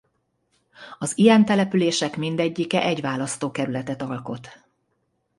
Az ilyen települések mindegyike egy választókerületet alkot.